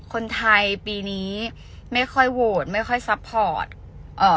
คนไทยปีนี้ไม่ค่อยโหวตไม่ค่อยซัพพอร์ตเอ่อ